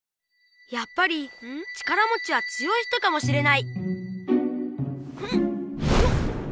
やっぱり力もちは強い人かもしれないふんよっ！